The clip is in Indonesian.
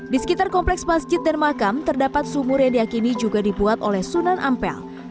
di sekitar kompleks masjid dan makam terdapat sumur yang diakini juga dibuat oleh sunan ampel